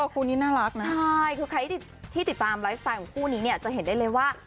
คู่นี้น่ารักนะใช่คือใครที่ติดตามไลฟ์สไตล์ของคู่นี้เนี่ยจะเห็นได้เลยว่า